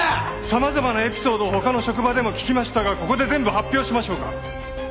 様々なエピソードを他の職場でも聞きましたがここで全部発表しましょうか？